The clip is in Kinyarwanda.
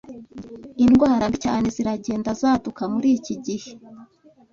Indwara mbi cyane ziragenda zaduka muri iki gihe